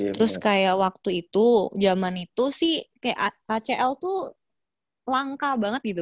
terus kayak waktu itu zaman itu sih kayak kcl tuh langka banget gitu